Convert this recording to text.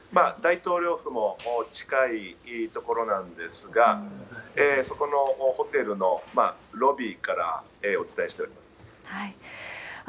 大統領府も近い所なんですが、そこのホテルのロビーからお伝えしております。